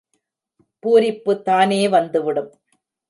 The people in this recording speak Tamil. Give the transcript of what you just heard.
பூரிப்புதானே வந்து விடும்.